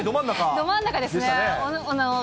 ど真ん中でしたね。